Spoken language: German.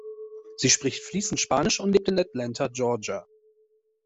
Sie spricht fließend Spanisch und lebt in Atlanta, Georgia.